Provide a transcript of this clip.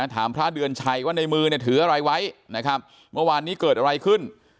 พระเดือนชัยว่าในมือเนี่ยถืออะไรไว้นะครับเมื่อวานนี้เกิดอะไรขึ้น